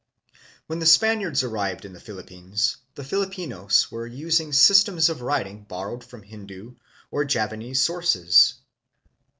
When the Spaniards arrived in the Philippines, the Filipinos were using systems of writing borrowed from Hindu or Javanese sources.